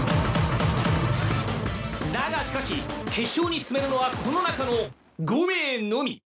［だがしかし決勝に進めるのはこの中の５名のみ］